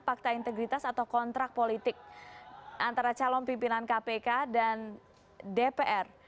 fakta integritas atau kontrak politik antara calon pimpinan kpk dan dpr